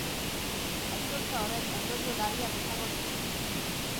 Aitortza horrek ondorio larriak izango ditu.